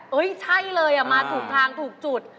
ใช่เลยมาถูกทางถูกจุด